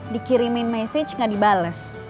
dikirimin mesej gak dibales